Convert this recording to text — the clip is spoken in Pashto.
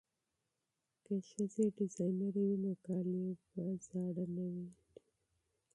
که ښځې ډیزاینرې وي نو کالي به زاړه نه وي.